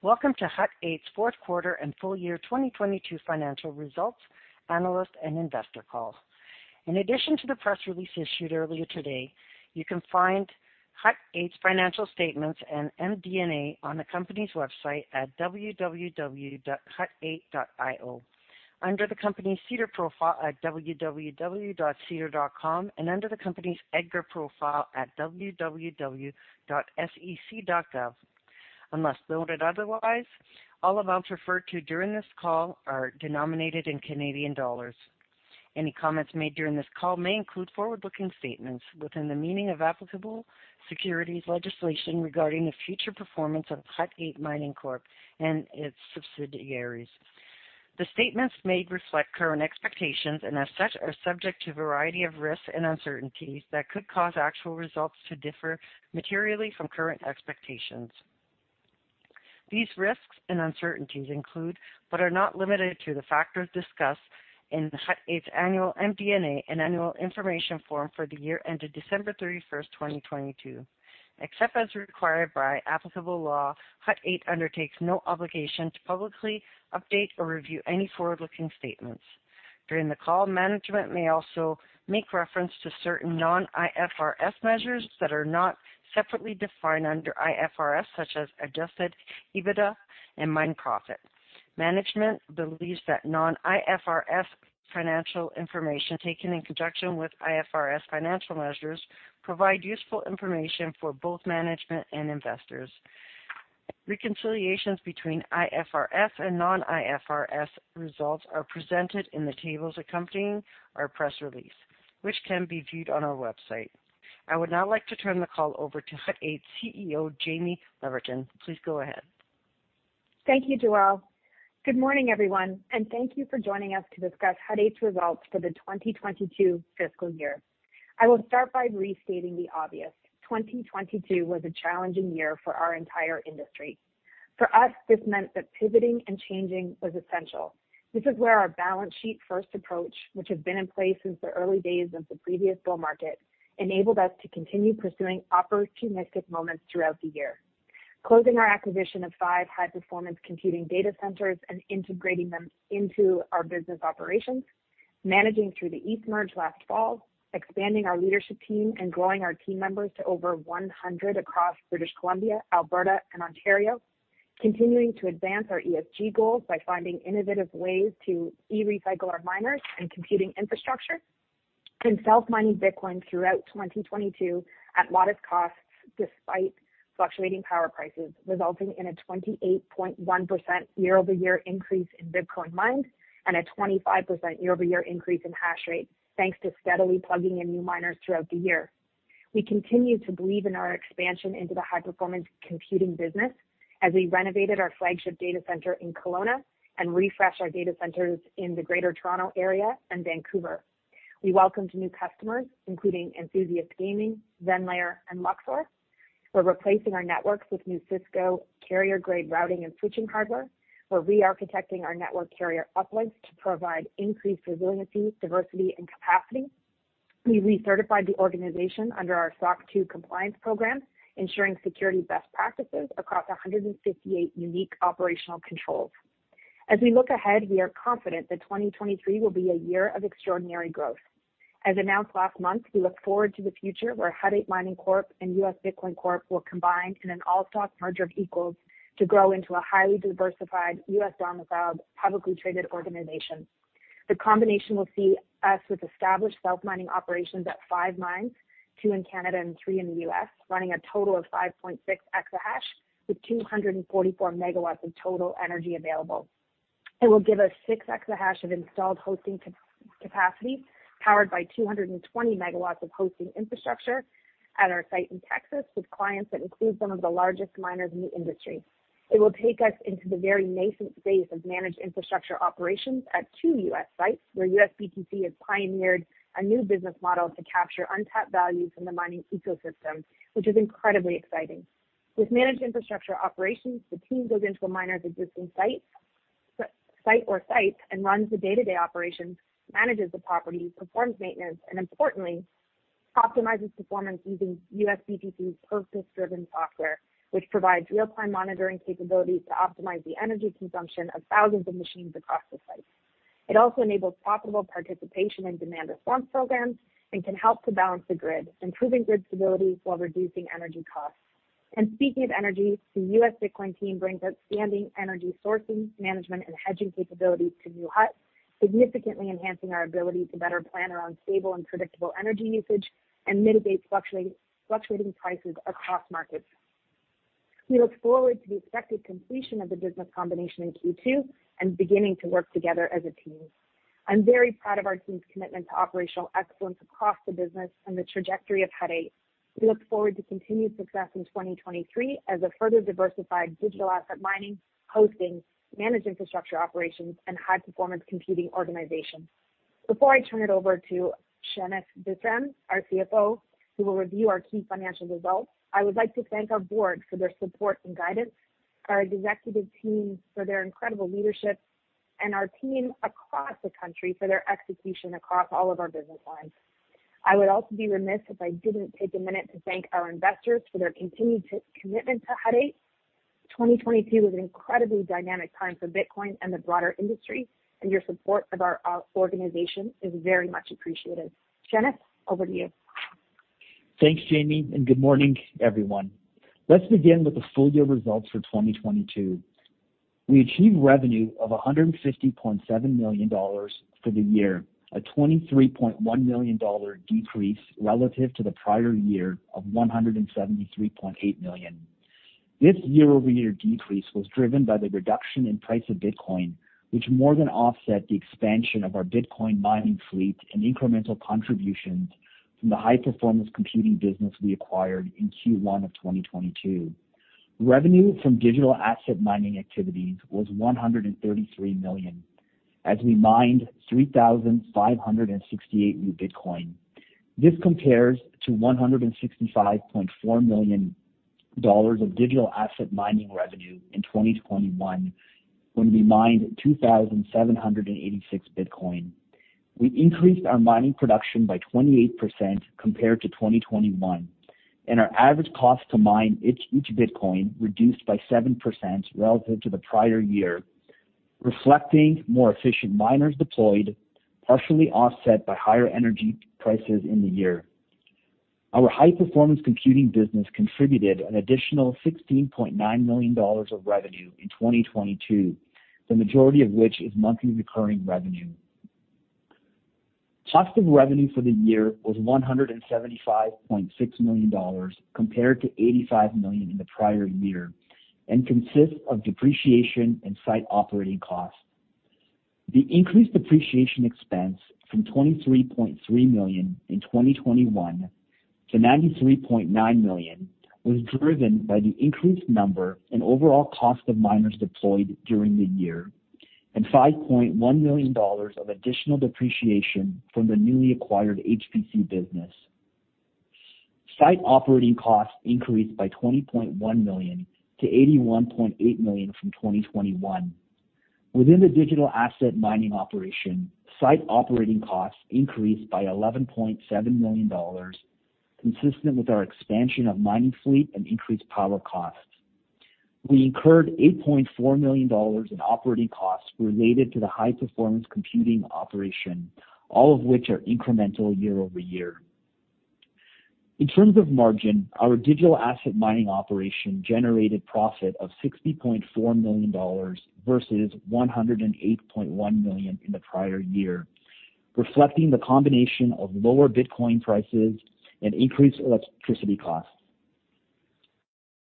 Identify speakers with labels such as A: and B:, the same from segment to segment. A: Welcome to Hut 8's fourth quarter and full year 2022 financial results analyst and investor call. In addition to the press release issued earlier today, you can find Hut 8's financial statements and MD&A on the company's website at www.hut8.io, under the company's SEDAR profile at www.sedar.com, and under the company's EDGAR profile at www.sec.gov. Unless noted otherwise, all amounts referred to during this call are denominated in Canadian dollars. Any comments made during this call may include forward-looking statements within the meaning of applicable securities legislation regarding the future performance of Hut 8 Mining Corp. and its subsidiaries. The statements made reflect current expectations and as such, are subject to a variety of risks and uncertainties that could cause actual results to differ materially from current expectations. These risks and uncertainties include, but are not limited to, the factors discussed in Hut 8's annual MD&A and annual information form for the year ended December 31st, 2022. Except as required by applicable law, Hut 8 undertakes no obligation to publicly update or review any forward-looking statements. During the call, management may also make reference to certain non-IFRS measures that are not separately defined under IFRS, such as adjusted EBITDA and mine profit. Management believes that non-IFRS financial information, taken in conjunction with IFRS financial measures, provide useful information for both management and investors. Reconciliations between IFRS and non-IFRS results are presented in the tables accompanying our press release, which can be viewed on our website. I would now like to turn the call over to Hut 8's CEO, Jaime Leverton. Please go ahead.
B: Thank you, Joelle. Good morning, everyone, and thank you for joining us to discuss Hut 8's results for the 2022 fiscal year. I will start by restating the obvious. 2022 was a challenging year for our entire industry. For us, this meant that pivoting and changing was essential. This is where our balance sheet-first approach, which has been in place since the early days of the previous bull market, enabled us to continue pursuing opportunistic moments throughout the year, closing our acquisition of five high-performance computing data centers and integrating them into our business operations, managing through the ETH merge last fall, expanding our leadership team and growing our team members to over 100 across British Columbia, Alberta, and Ontario, continuing to advance our ESG goals by finding innovative ways to e-recycle our miners and computing infrastructure, and self-mining Bitcoin throughout 2022 at modest costs despite fluctuating power prices, resulting in a 28.1% year-over-year increase in Bitcoin mined and a 25% year-over-year increase in hash rate, thanks to steadily plugging in new miners throughout the year. We continue to believe in our expansion into the high-performance computing business as we renovated our flagship data center in Kelowna and refreshed our data centers in the Greater Toronto Area and Vancouver. We welcomed new customers, including Enthusiast Gaming, Zenlayer, and Luxor. We're replacing our networks with new Cisco carrier-grade routing and switching hardware. We're re-architecting our network carrier uplinks to provide increased resiliency, diversity, and capacity. We recertified the organization under our SOC 2 compliance program, ensuring security best practices across 158 unique operational controls. As we look ahead, we are confident that 2023 will be a year of extraordinary growth. As announced last month, we look forward to the future where Hut 8 Mining Corp. and US Bitcoin Corp. will combine in an all-stock merger of equals to grow into a highly diversified U.S.-domiciled publicly traded organization. The combination will see us with established self-mining operations at five mines, two in Canada and three in the U.S., running a total of 5.6 exahash with 244 MW of total energy available. It will give us six exahash of installed hosting capacity, powered by 220 MW of hosting infrastructure at our site in Texas with clients that include some of the largest miners in the industry. It will take us into the very nascent phase of managed infrastructure operations at two U.S. sites, where USBTC has pioneered a new business model to capture untapped value from the mining ecosystem, which is incredibly exciting. With managed infrastructure operations, the team goes into a miner's existing site or sites, and runs the day-to-day operations, manages the property, performs maintenance, and importantly, optimizes performance using USBTC's purpose-driven software, which provides real-time monitoring capabilities to optimize the energy consumption of thousands of machines across the site. It also enables profitable participation in demand response programs and can help to balance the grid, improving grid stability while reducing energy costs. Speaking of energy, the US Bitcoin team brings outstanding energy sourcing, management, and hedging capabilities to New Hut, significantly enhancing our ability to better plan around stable and predictable energy usage and mitigate fluctuating prices across markets. We look forward to the expected completion of the business combination in Q2 and beginning to work together as a team. I'm very proud of our team's commitment to operational excellence across the business and the trajectory of Hut 8. We look forward to continued success in 2023 as a further diversified digital asset mining, hosting, managed infrastructure operations, and high-performance computing organization. Before I turn it over to Shenif Visram, our CFO, who will review our key financial results, I would like to thank our board for their support and guidance, our executive team for their incredible leadership, and our team across the country for their execution across all of our business lines. I would also be remiss if I didn't take a minute to thank our investors for their continued commitment to Hut 8. 2022 was an incredibly dynamic time for Bitcoin and the broader industry, and your support of our organization is very much appreciated. Jaime Leverton, over to you.
C: Thanks, Jaime. Good morning, everyone. Let's begin with the full year results for 2022. We achieved revenue of $150.7 million for the year, a $23.1 million decrease relative to the prior year of $173.8 million. This year-over-year decrease was driven by the reduction in price of Bitcoin, which more than offset the expansion of our Bitcoin mining fleet and incremental contributions from the high-performance computing business we acquired in Q1 of 2022. Revenue from digital asset mining activities was $133 million as we mined 3,568 new Bitcoin. This compares to $165.4 million of digital asset mining revenue in 2021 when we mined 2,786 Bitcoin. We increased our mining production by 28% compared to 2021, and our average cost to mine each Bitcoin reduced by 7% relative to the prior year, reflecting more efficient miners deployed, partially offset by higher energy prices in the year. Our high-performance computing business contributed an additional 16.9 million dollars of revenue in 2022, the majority of which is monthly recurring revenue. Cost of revenue for the year was 175.6 million dollars compared to 85 million in the prior year, and consists of depreciation and site operating costs. The increased depreciation expense from 23.3 million in 2021 to 93.9 million was driven by the increased number and overall cost of miners deployed during the year, and 5.1 million dollars of additional depreciation from the newly acquired HPC business. Site operating costs increased by 20.1 million to 81.8 million from 2021. Within the digital asset mining operation, site operating costs increased by 11.7 million dollars, consistent with our expansion of mining fleet and increased power costs. We incurred 8.4 million dollars in operating costs related to the high-performance computing operation, all of which are incremental year-over-year. In terms of margin, our digital asset mining operation generated profit of 60.4 million dollars versus 108.1 million in the prior year, reflecting the combination of lower Bitcoin prices and increased electricity costs.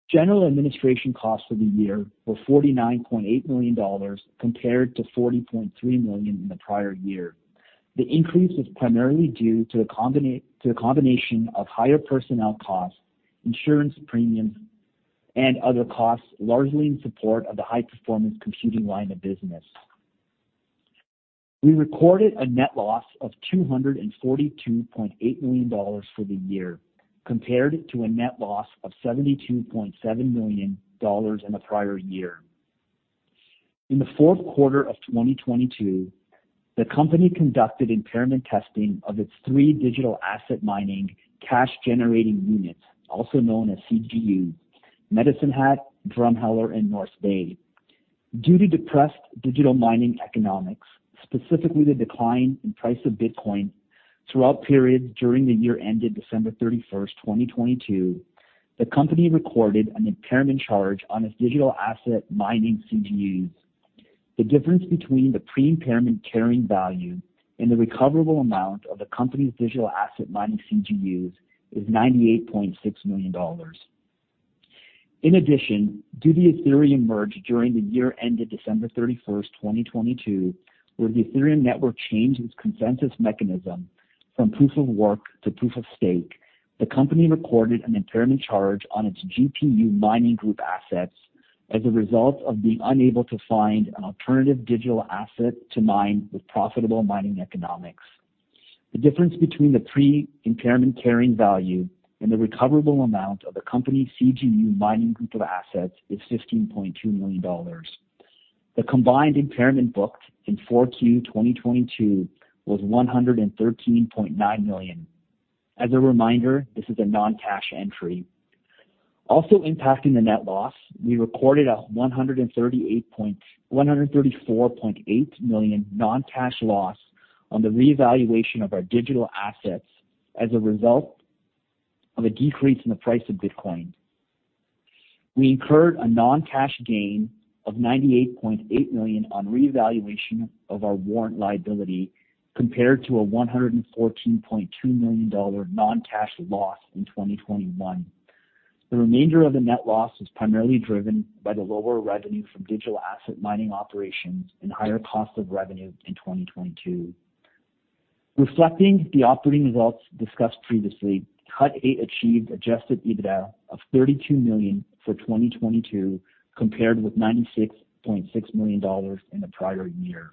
C: General administration costs for the year were 49.8 million dollars compared to 40.3 million in the prior year. The increase was primarily due to a combination of higher personnel costs, insurance premiums, and other costs, largely in support of the high-performance computing line of business. We recorded a net loss of 242.8 million dollars for the year, compared to a net loss of 72.7 million dollars in the prior year. In the fourth quarter of 2022, the company conducted impairment testing of its three digital asset mining cash generating units, also known as CGU, Medicine Hat, Drumheller, and North Bay. Due to depressed digital mining economics, specifically the decline in price of Bitcoin, throughout periods during the year ended December 31, 2022, the company recorded an impairment charge on its digital asset mining CGUs. The difference between the pre-impairment carrying value and the recoverable amount of the company's digital asset mining CGUs is $98.6 million. Due to the Ethereum Merge during the year ended December 31st, 2022, where the Ethereum network changed its consensus mechanism from proof of work to proof of stake, the company recorded an impairment charge on its GPU mining group assets as a result of being unable to find an alternative digital asset to mine with profitable mining economics. The difference between the pre-impairment carrying value and the recoverable amount of the company's CGU mining group of assets is $15.2 million. The combined impairment booked in Q4 2022 was $113.9 million. As a reminder, this is a non-cash entry. Also impacting the net loss, we recorded a $134.8 million non-cash loss on the revaluation of our digital assets as a result of a decrease in the price of Bitcoin. We incurred a non-cash gain of $98.8 million on revaluation of our warrant liability compared to a $114.2 million non-cash loss in 2021. The remainder of the net loss was primarily driven by the lower revenue from digital asset mining operations and higher cost of revenue in 2022. Reflecting the operating results discussed previously, Hut 8 achieved adjusted EBITDA of $32 million for 2022, compared with $96.6 million in the prior year.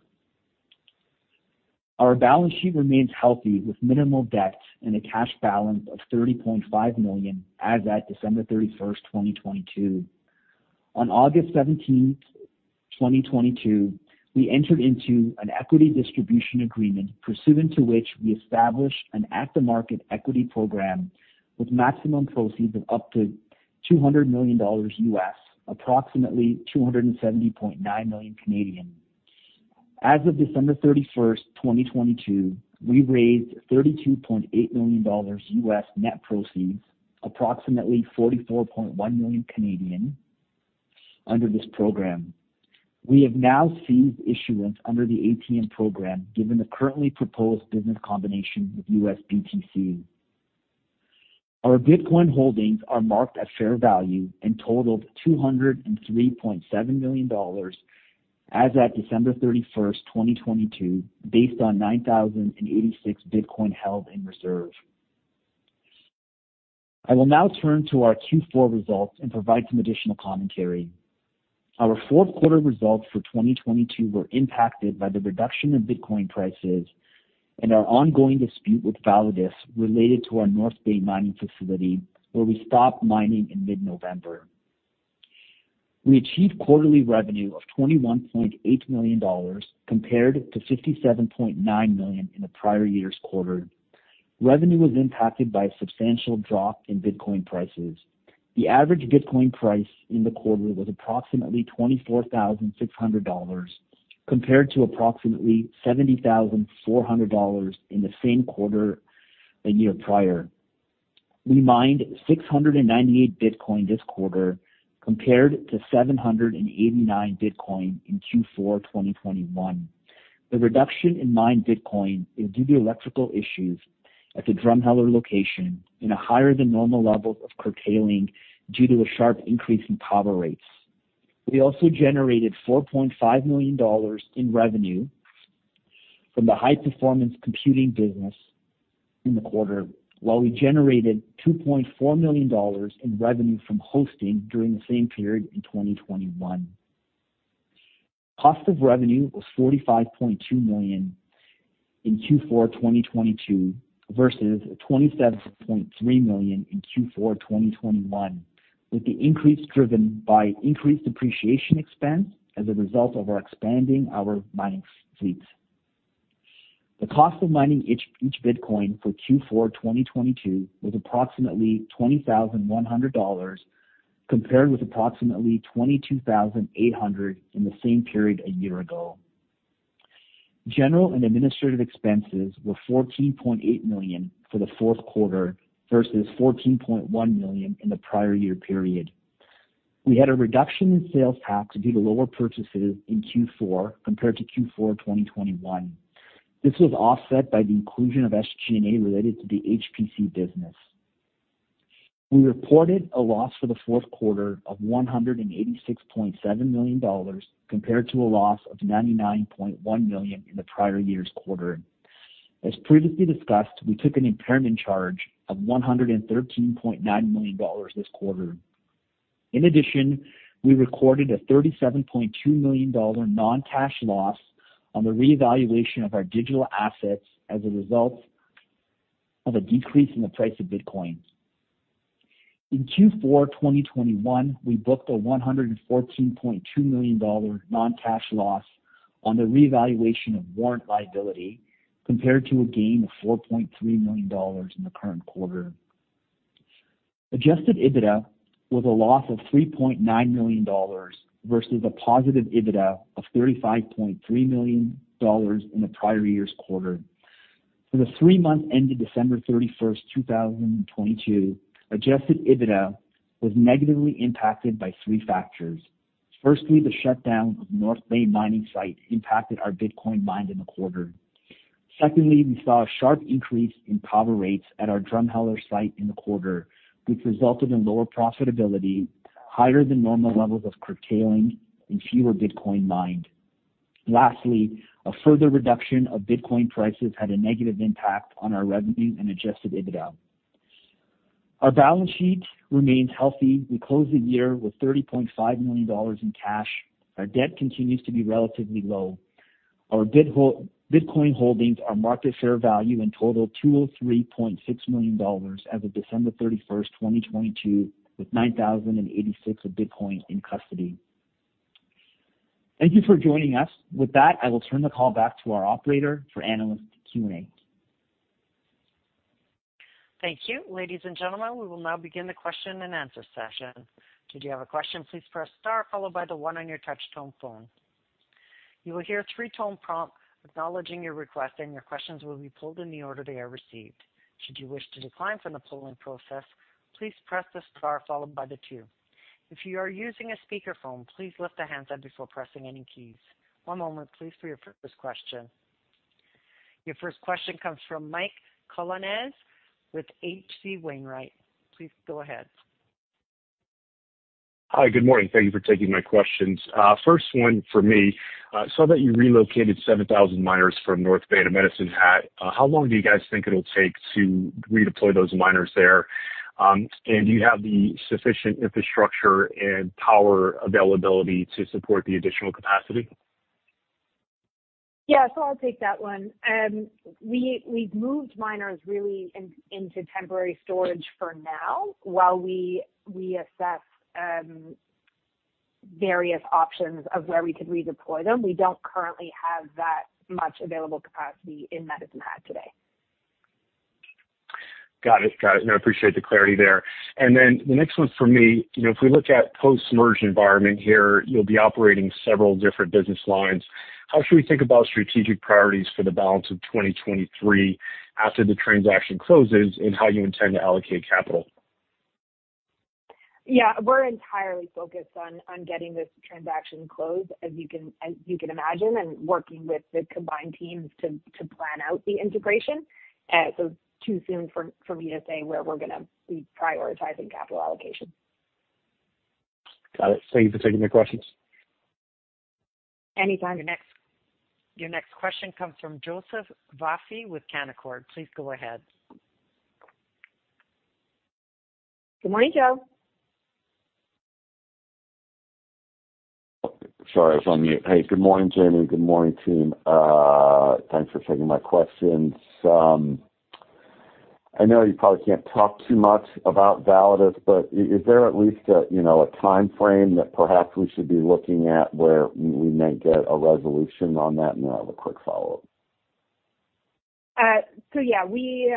C: Our balance sheet remains healthy with minimal debt and a cash balance of $30.5 million as at December 31st, 2022. On August 17th, 2022, we entered into an equity distribution agreement pursuant to which we established an at-the-market equity program with maximum proceeds of up to $200 million US, approximately 270.9 million Canadian dollars. As of December 31st, 2022, we raised $32.8 million US net proceeds, approximately 44.1 million under this program. We have now ceased issuance under the ATM program given the currently proposed business combination with USBTC. Our Bitcoin holdings are marked at fair value and totaled $203.7 million as at December 31st, 2022, based on 9,086 Bitcoin held in reserve. I will now turn to our Q4 results and provide some additional commentary. Our fourth quarter results for 2022 were impacted by the reduction in Bitcoin prices and our ongoing dispute with Validus related to our North Bay mining facility, where we stopped mining in mid-November. We achieved quarterly revenue of $21.8 million compared to $57.9 million in the prior year's quarter. Revenue was impacted by a substantial drop in Bitcoin prices. The average Bitcoin price in the quarter was approximately $24,600 compared to approximately $70,400 in the same quarter a year prior. We mined 698 Bitcoin this quarter compared to 789 Bitcoin in Q4 2021. The reduction in mined Bitcoin is due to electrical issues at the Drumheller location and a higher than normal level of curtailing due to a sharp increase in power rates. We also generated 4.5 million dollars in revenue from the high-performance computing business in the quarter, while we generated 2.4 million dollars in revenue from hosting during the same period in 2021. Cost of revenue was 45.2 million in Q4, 2022 versus 27.3 million in Q4, 2021, with the increase driven by increased depreciation expense as a result of our expanding our mining fleet. The cost of mining each Bitcoin for Q4, 2022 was approximately 20,100 dollars compared with approximately 22,800 in the same period a year ago. General and administrative expenses were $14.8 million for the fourth quarter versus $14.1 million in the prior year period. We had a reduction in sales tax due to lower purchases in Q4 compared to Q4, 2021. This was offset by the inclusion of SG&A related to the HPC business. We reported a loss for the fourth quarter of $186.7 million, compared to a loss of $99.1 million in the prior year's quarter. As previously discussed, we took an impairment charge of $113.9 million this quarter. In addition, we recorded a $37.2 million non-cash loss on the revaluation of our digital assets as a result of a decrease in the price of Bitcoin. In Q4 2021, we booked a 114.2 million dollars non-cash loss on the revaluation of warrant liability compared to a gain of 4.3 million dollars in the current quarter. adjusted EBITDA was a loss of 3.9 million dollars versus a positive EBITDA of 35.3 million dollars in the prior year's quarter. For the three months ended December 31st, 2022, adjusted EBITDA was negatively impacted by three factors. Firstly, the shutdown of North Bay mining site impacted our Bitcoin mined in the quarter. Secondly, we saw a sharp increase in power rates at our Drumheller site in the quarter, which resulted in lower profitability, higher than normal levels of curtailing, and fewer Bitcoin mined. Lastly, a further reduction of Bitcoin prices had a negative impact on our revenue and adjusted EBITDA. Our balance sheet remains healthy. We closed the year with $30.5 million in cash. Our debt continues to be relatively low. Our Bitcoin holdings are marked at fair value and totaled $203.6 million as of December 31st, 2022, with 9,086 of Bitcoin in custody. Thank you for joining us. I will turn the call back to our operator for analyst Q&A.
A: Thank you. Ladies and gentlemen, we will now begin the question-and-answer session. If you have a question, "please press star followed by the one" on your touch tone phone. You will hear a three-tone prompt acknowledging your request, and your questions will be pulled in the order they are received. Should you wish to decline from the polling process, "please press the star followed by the two". If you are using a speakerphone, please lift the handset before pressing any keys. One moment please for your first question. Your first question comes from Mike Colonnese with H.C. Wainwright. Please go ahead.
D: Hi, good morning. Thank Thank you for taking my questions. First one for me, I saw that you relocated 7,000 miners from North Bay to Medicine Hat. How long do you guys think it'll take to redeploy those miners there? Do you have the sufficient infrastructure and power availability to support the additional capacity?
B: Yeah. I'll take that one. We've moved miners really into temporary storage for now while we assess various options of where we could redeploy them. We don't currently have that much available capacity in Medicine Hat today.
D: Got it. I appreciate the clarity there. The next one's for me. You know, if we look at post-merger environment here, you'll be operating several different business lines. How should we think about strategic priorities for the balance of 2023 after the transaction closes and how you intend to allocate capital?
B: Yeah. We're entirely focused on getting this transaction closed, as you can imagine, and working with the combined teams to plan out the integration. Too soon for me to say where we're gonna be prioritizing capital allocation.
D: Got it. Thank you for taking my questions.
B: Anytime.
A: Your next question comes from Joseph Vafi with Canaccord. Please go ahead.
B: Good morning, Joe.
E: Sorry, I was on mute. Hey, good morning, Jamie. Good morning, team. Thanks for taking my questions. I know you probably can't talk too much about Validus, but is there at least a, you know, a timeframe that perhaps we should be looking at where we may get a resolution on that? Then I have a quick follow-up.
B: Yeah, we,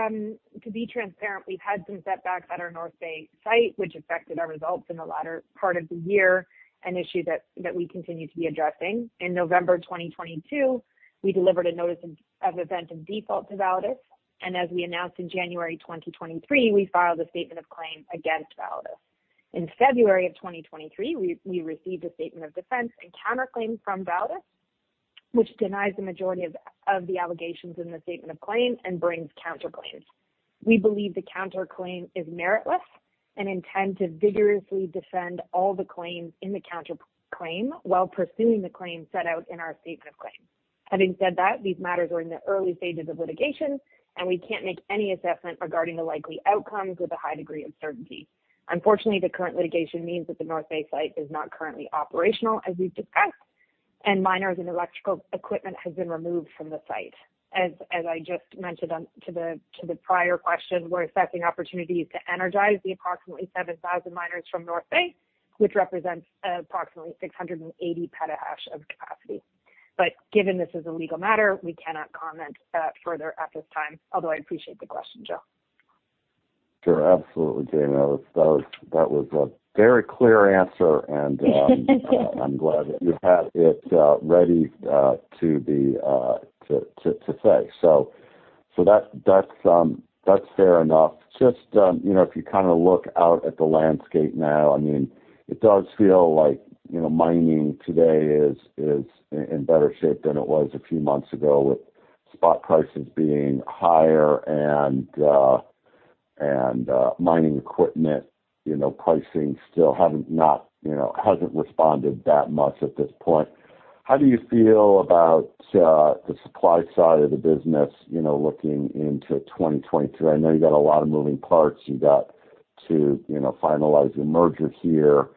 B: to be transparent, we've had some setbacks at our North Bay site, which affected our results in the latter part of the year, an issue that we continue to be addressing. In November 2022, we delivered a notice of event of default to Validus. As we announced in January 2023, we filed a statement of claim against Validus. In February of 2023, we received a statement of defense and counterclaim from Validus, which denies the majority of the allegations in the statement of claim and brings counterclaims. We believe the counterclaim is meritless and intend to vigorously defend all the claims in the counterclaim while pursuing the claim set out in our statement of claim. Having said that, these matters are in the early stages of litigation. We can't make any assessment regarding the likely outcomes with a high degree of certainty. Unfortunately, the current litigation means that the North Bay site is not currently operational, as we've discussed, and miners and electrical equipment has been removed from the profit site. As I just mentioned to the prior question, we're assessing opportunities to energize the approximately 7,000 miners from North Bay, which represents approximately 680 petahash of capacity. Given this is a legal matter, we cannot comment further at this time, although I appreciate the question, Joe.
E: Sure. Absolutely, Jaime. That was a very clear answer. I'm glad that you had it ready to be to say so. That's fair enough. Just, you know, if you kinda look out at the landscape now, I mean, it does feel like, you know, mining today is in better shape than it was a few months ago with spot prices being higher and mining equipment, you know, pricing still hasn't responded that much at this point. How do you feel about the supply side of the business, you know, looking into 2022? I know you got a lot of moving parts. You got to, you know, finalize your merger here.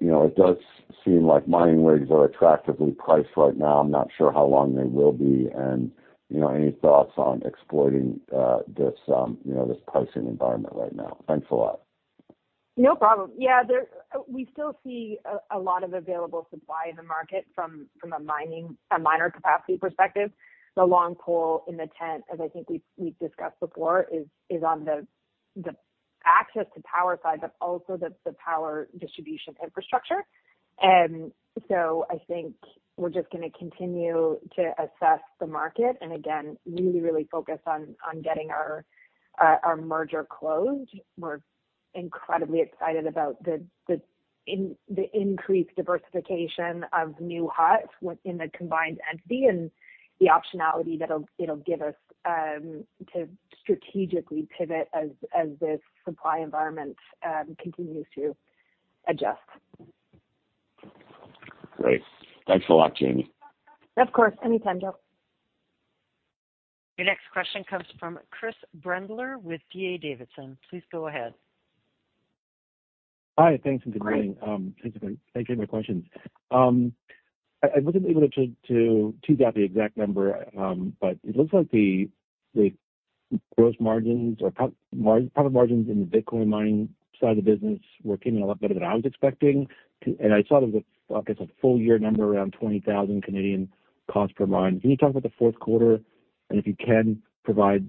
E: You know, it does seem like mining rigs are attractively priced right now. I'm not sure how long they will be. You know, any thoughts on exploiting this, you know, this pricing environment right now? Thanks a lot.
B: No problem. We still see a lot of available supply in the market from a miner capacity perspective. The long pole in the tent, as I think we've discussed before, is on the access to power side, but also the power distribution infrastructure. I think we're just gonna continue to assess the market, and again, really focus on getting our merger closed. We're incredibly excited about the increased diversification of New Hut within the combined entity and the optionality it'll give us to strategically pivot as this supply environment continues to adjust.
E: Great. Thanks a lot, Jaime.
B: Of course. Anytime, Joe.
A: Your next question comes from Chris Brendler with D.A. Davidson. Please go ahead.
F: Hi. Thanks and good morning. Thanks, Jamie, for the questions. I wasn't able to tease out the exact number, but it looks like the gross margins or profit margins in the Bitcoin mining side of the business were came in a lot better than I was expecting to. I saw there was, I guess, a full year number around 20,000 cost per mine. Can you talk about the fourth quarter? If you can, provide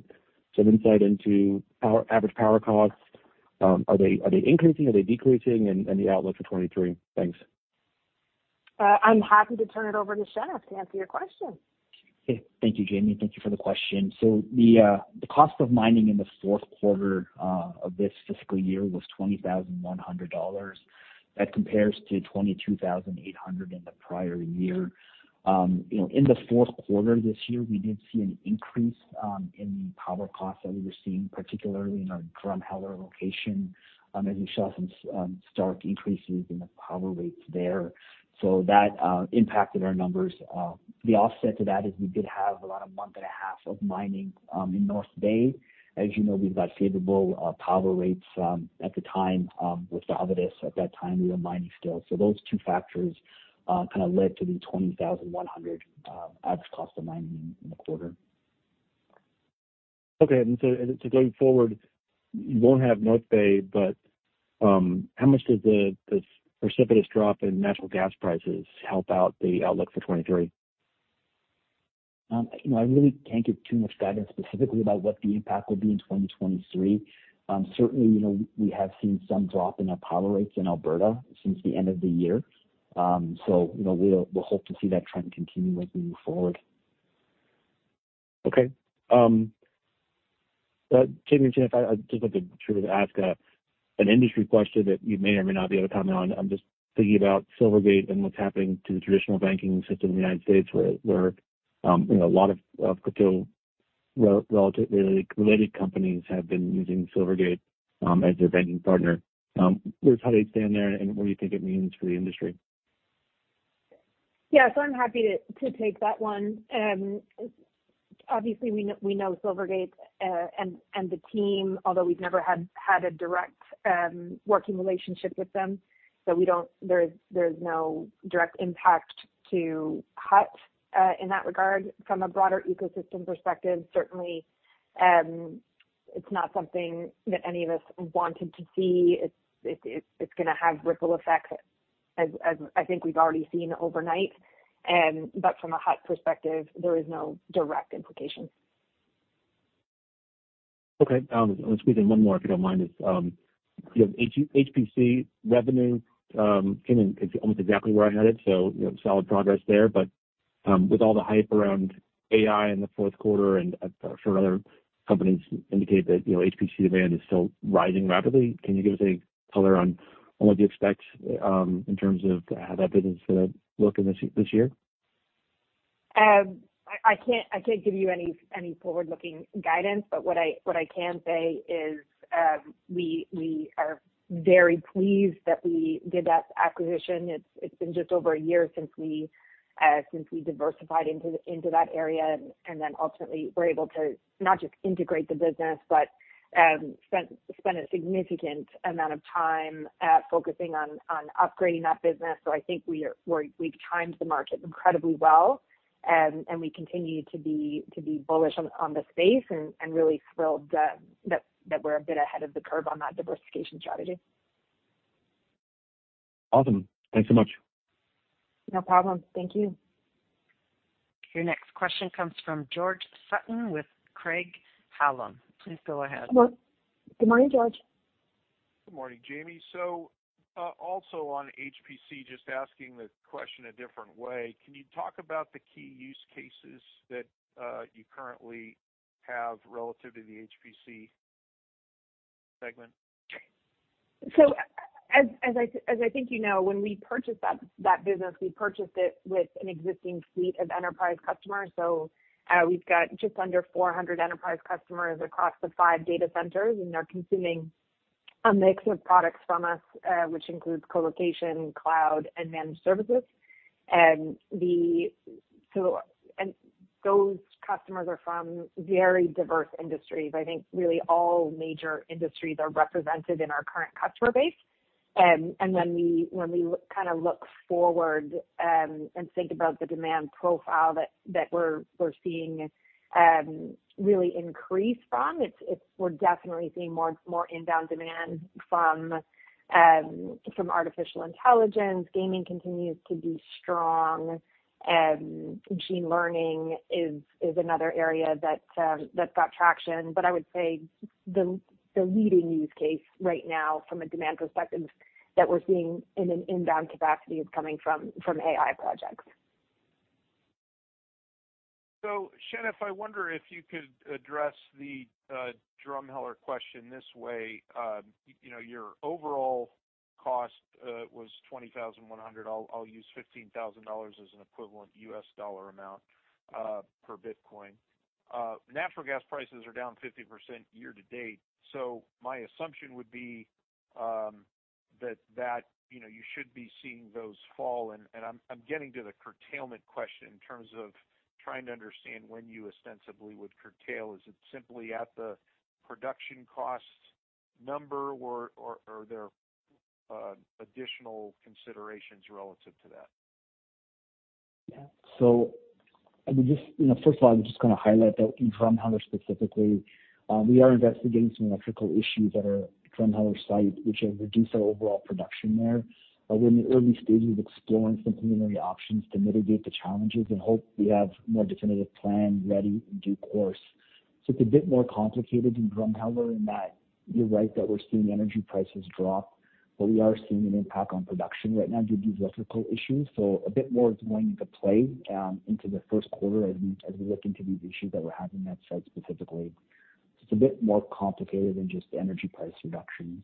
F: some insight into average power costs. Are they increasing? Are they decreasing? The outlook for 2023. Thanks.
B: I'm happy to turn it over to Shenif to answer your question.
C: Okay. Thank you, Jaime. Thank you for the question. The cost of mining in the fourth quarter of this fiscal year was $20,100. That compares to $22,800 in the prior year. You know, in the fourth quarter this year, we did see an increase in the power costs that we were seeing, particularly in our Drumheller location, as we saw some stark increases in the power rates there. That impacted our numbers. The offset to that is we did have about a month and a half of mining in North Bay. As you know, we've got favorable power rates at the time with the Validus. At that time, we were mining still. Those two factors, kind of led to the 20,100 average cost of mining in the quarter.
F: Going forward, you won't have North Bay, but how much does the precipitous drop in natural gas prices help out the outlook for 2023?
C: You know, I really can't give too much guidance specifically about what the impact will be in 2023. Certainly, you know, we have seen some drop in our power rates in Alberta since the end of the year. You know, we'll hope to see that trend continue as we move forward.
F: Okay. Jaime and Jennifer, I just wanted to ask an industry question that you may or may not be able to comment on. I'm just thinking about Silvergate and what's happening to the traditional banking system in the United States where, you know, a lot of crypto relatively related companies have been using Silvergate as their banking partner. Where do you stand there, and what do you think it means for the industry?
B: I'm happy to take that one. Obviously we know Silvergate and the team, although we've never had a direct working relationship with them. There's no direct impact to Hut in that regard. From a broader ecosystem perspective, certainly, it's not something that any of us wanted to see. It's gonna have ripple effects as I think we've already seen overnight. From a Hut perspective, there is no direct implication.
F: Okay. I'll squeeze in one more if you don't mind. It's, you know, HPC revenue came in almost exactly where I had it, so, you know, solid progress there. With all the hype around AI in the fourth quarter, and I'm sure other companies indicate that, you know, HPC demand is still rising rapidly, can you give us any color on what you expect in terms of how that business could look in this year?
B: I can't give you any forward-looking guidance, but what I can say is, we are very pleased that we did that acquisition. It's been just over a year since we diversified into that area, and then ultimately we're able to not just integrate the business, but spend a significant amount of time at focusing on upgrading that business. I think we've timed the market incredibly well, and we continue to be bullish on the space and really thrilled that we're a bit ahead of the curve on that diversification strategy.
F: Awesome. Thanks so much.
B: No problem. Thank you.
A: Your next question comes from George Sutton with Craig-Hallum. Please go ahead.
B: Hello. Good morning, George.
G: Good morning, Jaime. Also on HPC, just asking the question a different way, can you talk about the key use cases that you currently have relative to the HPC segment?
B: As I think you know, when we purchased that business, we purchased it with an existing suite of enterprise customers. We've got just under 400 enterprise customers across the 5 data centers, and they're consuming a mix of products from us, which includes colocation, cloud, and managed services. Those customers are from very diverse industries. I think really all major industries are represented in our current customer base. When we kind of look forward and think about the demand profile that we're seeing really increase from, it's we're definitely seeing more inbound demand from artificial intelligence. gaming continues to be strong. Machine learning is another area that got traction. I would say the leading use case right now from a demand perspective that we're seeing in an inbound capacity is coming from AI projects.
G: Shenif, if I wonder if you could address the Drumheller question this way. You know, your overall cost was 20,100. I'll use $15,000 as an equivalent US dollar amount per Bitcoin. Natural gas prices are down 50% year-to-date. My assumption would be that, you know, you should be seeing those fall. And I'm getting to the curtailment question in terms of trying to understand when you ostensibly would curtail. Is it simply at the production cost number or are there additional considerations relative to that?
C: I mean, just, you know, first of all, I'm just gonna highlight that in Drumheller specifically, we are investigating some electrical issues at our Drumheller site, which have reduced our overall production there. We're in the early stages of exploring some preliminary options to mitigate the challenges and hope we have more definitive plan ready in due course. It's a bit more complicated in Drumheller in that you're right that we're seeing energy prices drop, but we are seeing an impact on production right now due to electrical issues. A bit more is going into play into the first quarter as we look into these issues that we're having at site specifically. It's a bit more complicated than just the energy price reduction.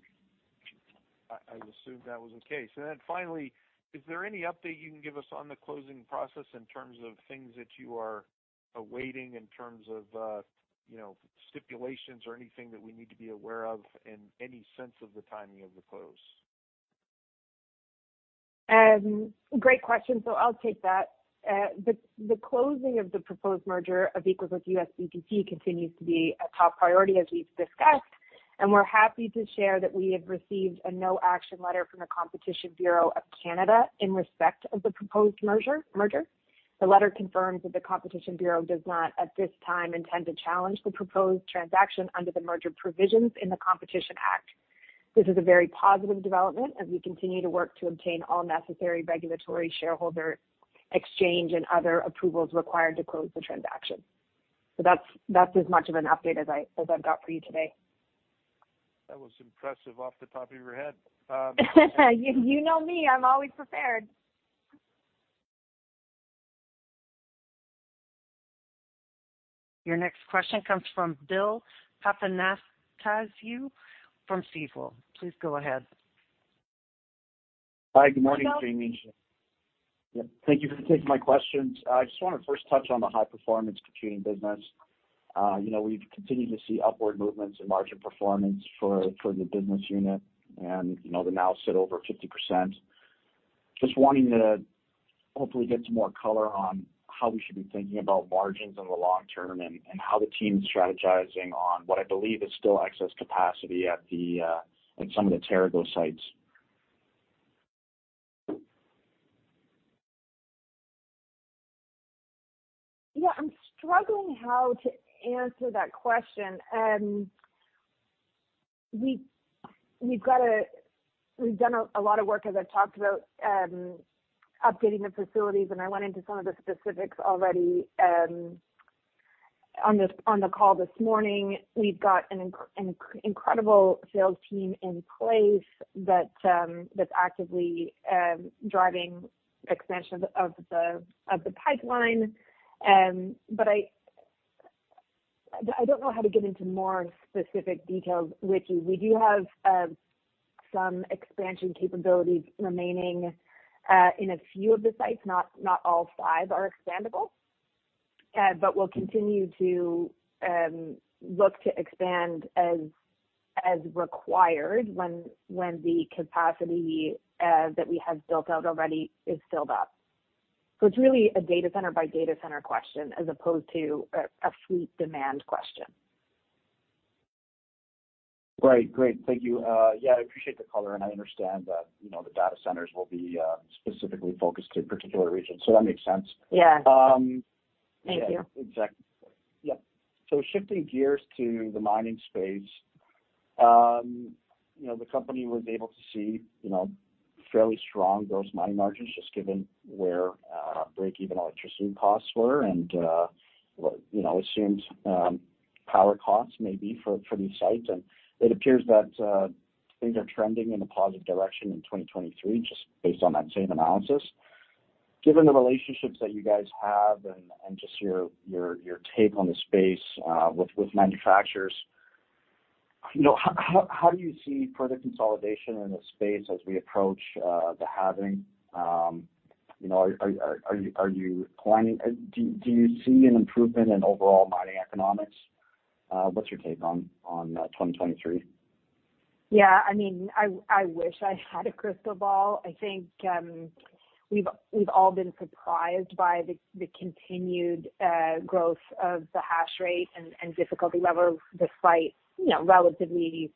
G: I assumed that was the case. Finally, is there any update you can give us on the closing process in terms of things that you are awaiting, in terms of, you know, stipulations or anything that we need to be aware of and any sense of the timing of the close?
B: Great question. I'll take that. The closing of the proposed merger of USBTC continues to be a top priority, as we've discussed. We're happy to share that we have received a no action letter from the Competition Bureau of Canada in respect of the proposed merger. The letter confirms that the Competition Bureau does not, at this time, intend to challenge the proposed transaction under the merger provisions in the Competition Act. This is a very positive development as we continue to work to obtain all necessary regulatory shareholder exchange and other approvals required to close the transaction. That's as much of an update as I've got for you today.
G: That was impressive off the top of your head.
B: You know me, I'm always prepared.
A: Your next question comes from Bill Papanastasiou from Stifel. Please go ahead.
H: Hi, good morning, Jaime. Thank you for taking my questions. I just wanna first touch on the high-performance computing business. you know, we've continued to see upward movements in margin performance for the business unit, and you know, they now sit over 50%. Just wanting to hopefully get some more color on how we should be thinking about margins in the long term and how the team's strategizing on what I believe is still excess capacity at some of the TeraGo sites.
B: Yeah, I'm struggling how to answer that question. We've done a lot of work, as I've talked about, updating the facilities, and I went into some of the specifics already on the call this morning. We've got an incredible sales team in place that's actively driving expansion of the pipeline. I don't know how to get into more specific details, Ricky. We do have some expansion capabilities remaining in a few of the sites. Not all five are expandable. We'll continue to look to expand as required when the capacity that we have built out already is filled up. It's really a data center by data center question as opposed to a fleet demand question.
H: Right. Great. Thank you. Yeah, I appreciate the color, and I understand that, you know, the data centers will be specifically focused to particular regions, so that makes sense.
B: Yeah. Thank you.
H: Exactly. Yeah. Shifting gears to the mining space, you know, the company was able to see, you know, fairly strong gross mining margins just given where break-even electricity costs were and, you know, assumed power costs maybe for these sites. It appears that things are trending in a positive direction in 2023, just based on that same analysis. Given the relationships that you guys have and just your take on the space, with manufacturers, you know, how do you see further consolidation in this space as we approach the halving? You know, are you planning? Do you see an improvement in overall mining economics? What's your take on 2023?
B: Yeah, I mean, I wish I had a crystal ball. I think, we've all been surprised by the continued growth of the hash rate and difficulty level despite, you know, relatively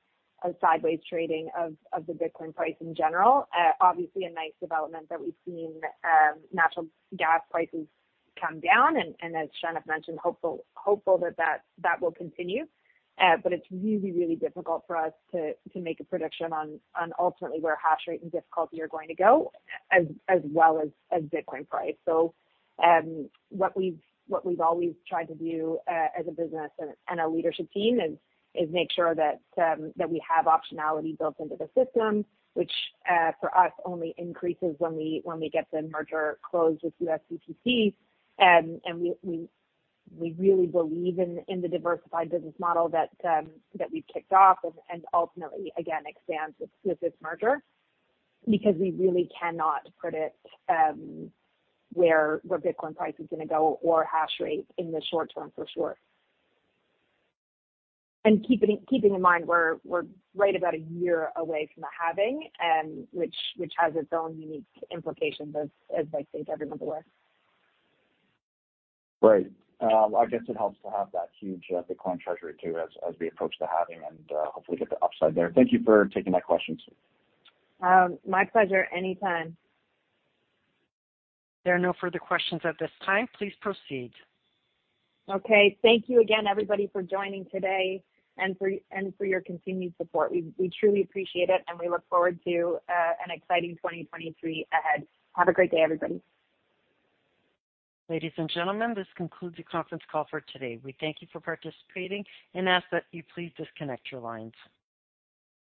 B: sideways trading of the Bitcoin price in general. Obviously a nice development that we've seen, natural gas prices come down and as Shannon mentioned, hopeful that that will continue. It's really difficult for us to make a prediction on ultimately where hash rate and difficulty are going to go, as well as Bitcoin price. What we've always tried to do as a business and our leadership team is make sure that we have optionality built into the system, which for us only increases when we get the merger closed with USBTC. We really believe in the diversified business model that we've kicked off and ultimately, again, expands with this merger, because we really cannot predict where Bitcoin price is gonna go or hashrate in the short term, for sure. Keeping in mind, we're right about a year away from the halving, which has its own unique implications, as I think everyone's aware.
H: Right. I guess it helps to have that huge Bitcoin treasury too, as we approach the halving and hopefully get the upside there. Thank you for taking my questions.
B: My pleasure. Anytime.
A: There are no further questions at this time. Please proceed.
B: Okay. Thank you again, everybody, for joining today and for your continued support. We truly appreciate it, and we look forward to an exciting 2023 ahead. Have a great day, everybody.
A: Ladies and gentlemen, this concludes the conference call for today. We thank you for participating and ask that you please disconnect your lines.